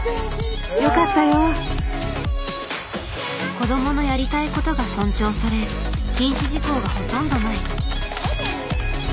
「子どものやりたいこと」が尊重され禁止事項がほとんどない。